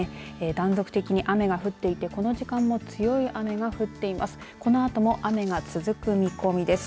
断続的に雨が降っていてこの時間も強い雨が降っています。